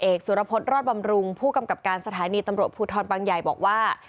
สุรพฤษรอดบำรุงผู้กำกับการสถานีตำรวจภูทรบางใหญ่บอกว่า